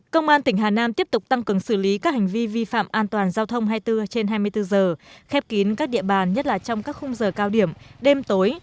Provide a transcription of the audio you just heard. công an tỉnh hà nam tiếp tục tăng cường xử lý các hành vi vi phạm an toàn giao thông hai mươi bốn trên hai mươi bốn giờ khép kín các địa bàn nhất là trong các khung giờ cao điểm đêm tối